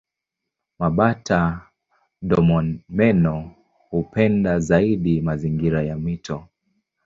Mabata-domomeno hupenda zaidi mazingira ya mito.